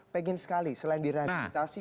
pengen sekali selain direhabilitasi